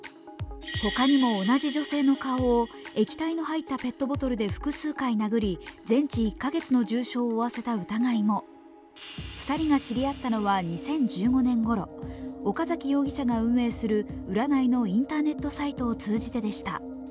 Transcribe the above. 他にも同じ女性の顔を液体の入ったペットボトルで複数回殴り全治１カ月の重傷を負わせた疑いも２人が知り合ったのは２０１５年ごろ岡崎容疑者が運営する占いのインターネットサイトを通じてでした。